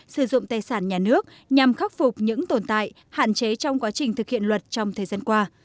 sử dụng tài sản nhà nước nhằm khắc phục những tồn tại hạn chế trong quá trình thực hiện luật trong thời gian qua